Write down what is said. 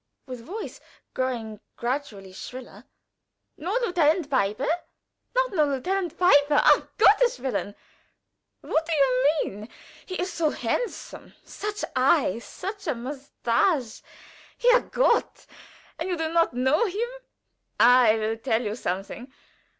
(with voice growing gradually shriller), "nor Lieutenant Pieper? Not know Lieutenant Pieper! Um Gotteswillen! What do you mean? He is so handsome! such eyes! such a mustache! Herrgott! And you do not know him? I will tell you something.